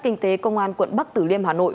kinh tế công an quận bắc tử liêm hà nội